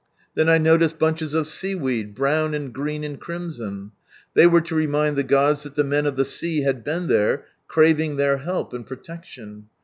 Then I noticed bunches of sea weed, brown and green and crimson. They were to remind the gods that the men of the sea had been there, craving their help and protection.